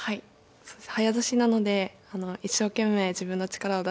そうですね。